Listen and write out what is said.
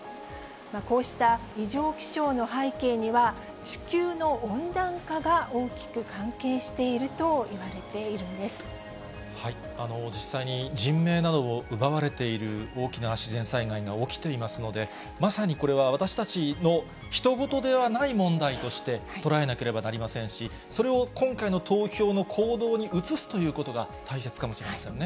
こうした異常気象の背景には、地球の温暖化が大きく関係してい実際に、人命などを奪われている大きな自然災害が起きていますので、まさにこれは私たちの、ひと事ではない問題として捉えなければなりませんし、それを今回の投票の行動に移すということが大切かもしれませんね。